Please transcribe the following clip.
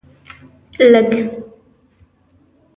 لږ